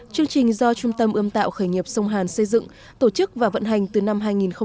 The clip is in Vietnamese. chương trình do trung tâm ươm tạo khởi nghiệp sông hàn xây dựng tổ chức và vận hành từ năm hai nghìn một mươi sáu